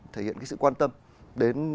thể hiện cái sự quan tâm đến